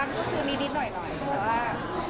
น้องเขาไม่ค่อยได้เจอพี่มั้ง